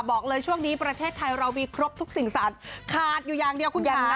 บอกเลยช่วงนี้ประเทศไทยเรามีครบทุกสิ่งสารขาดอยู่อย่างเดียวคุณยายนะ